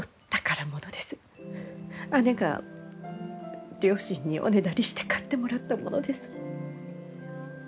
姉が両親におねだりして買ってもらったものです。